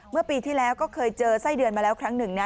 เมื่อปีที่แล้วก็เคยเจอไส้เดือนมาแล้วครั้งหนึ่งนะ